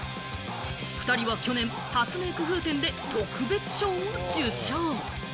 ２人は去年、発明くふう展で特別賞を受賞。